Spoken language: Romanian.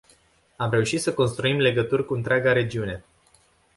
Am reușit să construim legături cu întreaga regiune.